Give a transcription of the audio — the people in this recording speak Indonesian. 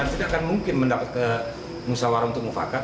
tidak akan mungkin mendapatkan musawarah untuk mufakat